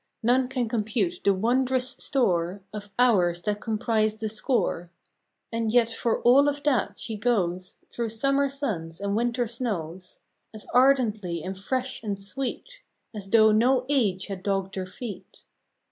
None can compute the wondrous store Of hours that comprise the score, And yet for all of that she goes Through summer suns and winter snows As ardently and fresh and sweet As though no age had dogged her feet.